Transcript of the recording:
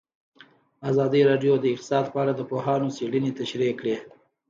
ازادي راډیو د اقتصاد په اړه د پوهانو څېړنې تشریح کړې.